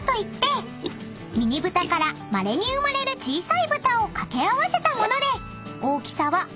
［ミニブタからまれに生まれる小さいブタを掛け合わせたもので大きさは柴犬くらい］